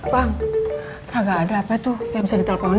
bang kagak ada apa tuh yang bisa diteleponin